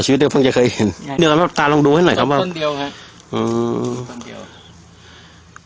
ชีวิตเดียวเพิ่งจะเคยเห็นเดี๋ยวตามลองดูให้หน่อยครับว่าต้นเดียวค่ะอืม